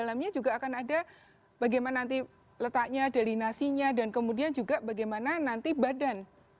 dalamnya juga akan ada bagaimana nanti letaknya delinasinya dan kemudian juga bagaimana nanti badan